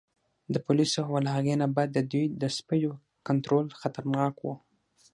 د پولیسو او له هغې نه بد د دوی د سپیو کنترول خطرناک و.